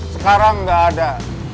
sekarang nggak ada